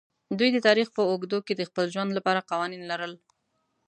دوی د تاریخ په اوږدو کې د خپل ژوند لپاره قوانین لرل.